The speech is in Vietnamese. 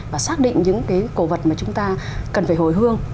và xác định những cái cổ vật mà chúng ta cần phải hồi hương